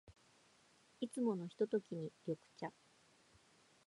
いつものひとときに、緑茶。